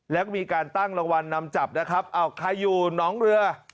แล้วก็มีการตั้งรางวัลนำจับนะครับอ้าวใครอยู่หนองเรือ